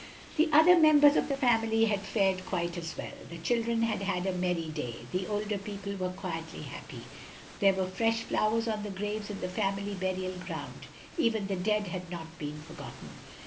The other members of the family had fared quite as well. The children had a very merry day; the older people were quietly happy. There were fresh flowers on the graves in the family burial ground, even the dead had not been forgotten.